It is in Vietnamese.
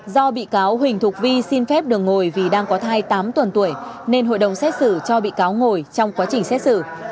do bị cáo huỳnh thục vi xin phép được ngồi vì đang có thai tám tuần tuổi nên hội đồng xét xử cho bị cáo ngồi trong quá trình xét xử